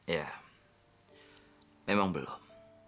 ya memang belum